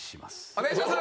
お願いします！